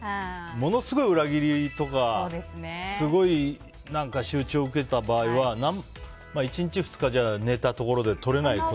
ものすごい裏切りとかすごい仕打ちを受けた場合は１日、２日じゃ寝たところで取れないよね。